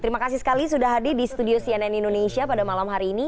terima kasih sekali sudah hadir di studio cnn indonesia pada malam hari ini